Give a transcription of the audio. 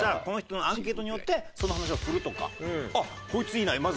この人のアンケートによってその話を振るとか「あっこいついいな。